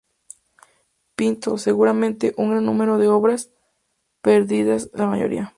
Pintó, seguramente, un gran número de obras, perdidas la mayoría.